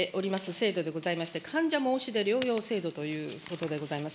制度でございまして、患者申出療養制度ということでございます。